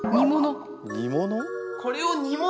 煮物？